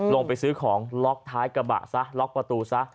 ลงไปซื้อของล็อกท้ายกระบะซะล็อกประตูซะ